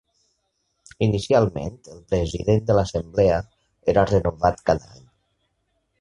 Inicialment, el president de l'assemblea era renovat cada any.